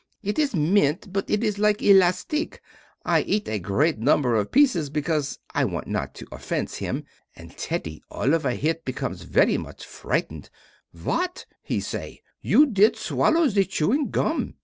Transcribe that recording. It is mint but it is like elastic; I eat a great number of pieces because I want not to offence him, and Teddy all of a hit become very much frightened: "What," he say, "You did swallow the chewing gum!"